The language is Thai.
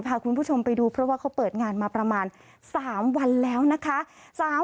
พาคุณผู้ชมไปดูเพราะว่าเขาเปิดงานมาประมาณ๓วันแล้วนะคะ